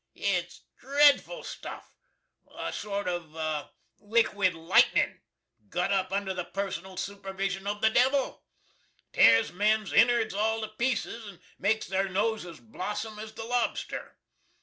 Its drefful stuff a sort of lickwid litenin, gut up under the personal supervishun of the devil tears men's inards all to peaces and makes their noses blossum as the Lobster.